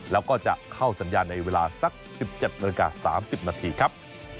แล้วก็จะเข้าสัญญาณในเวลาสัก๑๗นาฬิกา๓๐นาทีครับ